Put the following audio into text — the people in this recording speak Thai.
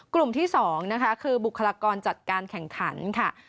กลุ่มที่๒นะคะคือบุคลากรจัดการแข่งขันค่ะ